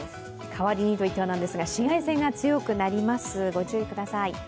かわりにといっては紫外線が強くなります、御注意ください。